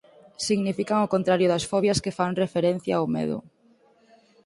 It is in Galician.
Significan o contrario das fobias que fan referencia o medo.